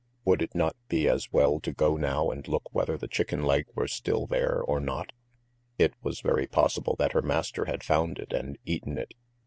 Would it not be as well to go now and look whether the chicken leg were still there or not? It was very possible that her master had found it and eaten it.